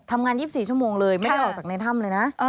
ทำงาน๒๔ชั่วโมงเลยไม่ได้ออกจากในถ้ำเลยนะ